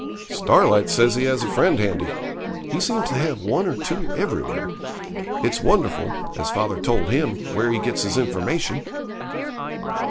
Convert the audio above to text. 'Starlight says he has a friend handy; he seems to have one or two everywhere. It's wonderful, as father told him, where he gets information.'